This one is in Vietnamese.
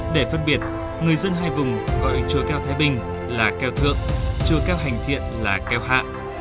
để phân biệt người dân hai vùng gọi chùa keo thái bình là keo thượng chùa keo hành thiện là keo hạ